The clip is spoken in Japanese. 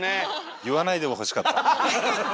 言わないでほしかった。